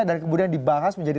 dan kemudian dibahas menjadi